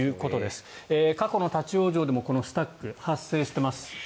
過去の立ち往生でもこのスタックは発生しています。